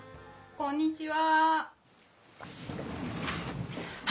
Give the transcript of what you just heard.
こんにちは。